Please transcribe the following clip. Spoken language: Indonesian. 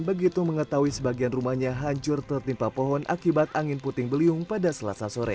begitu mengetahui sebagian rumahnya hancur tertimpa pohon akibat angin puting beliung pada selasa sore